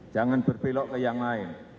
jangan berbelok ke yang lain